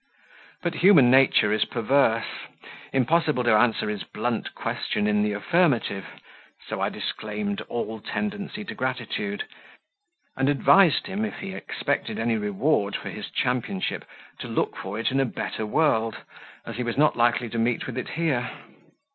But human nature is perverse. Impossible to answer his blunt question in the affirmative, so I disclaimed all tendency to gratitude, and advised him if he expected any reward for his championship, to look for it in a better world, as he was not likely to meet with it here.